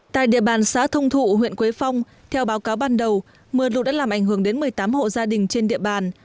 tại địa bàn xã thông thụ huyện quế phong theo báo cáo ban đầu mưa lụt đã làm ảnh hưởng đến một mươi tám hộ gia đình trên địa bàn